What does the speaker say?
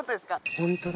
ホントだ！